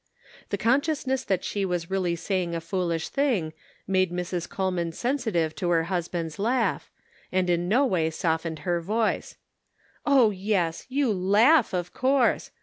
The consciousness that she was really saying a foolish thing made Mrs. Cole man sensitive to her husband's laugh, and in no way softened her voice :" Oh yes, you laugh, of course.